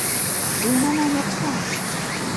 — Пу, манам, оксам.